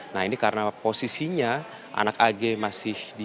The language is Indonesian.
nah ini karena posisinya anak ag masih di